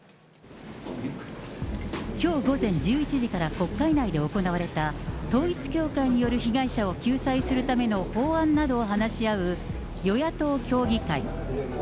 きょう午前１１時から国会内で行われた、統一教会による被害者を救済するための法案などを話し合う与野党協議会。